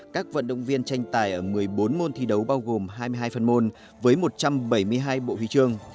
các vận động viên tranh tài ở một mươi bốn môn thi đấu bao gồm hai mươi hai phần môn với một trăm bảy mươi hai bộ huy chương